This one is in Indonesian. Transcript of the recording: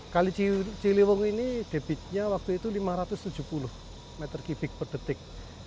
kali ciliwung ini debitnya waktu itu lima ratus tujuh puluh meter kubik per detik